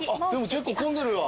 結構混んでるわ。